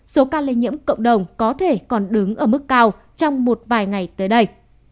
số ca lây nhiễm cộng đồng có thể còn đứng ở mức cao trong một vài ngày tới đây